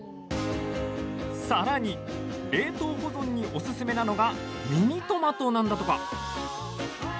さらに冷凍保存におすすめなのがミニトマトなんだとか。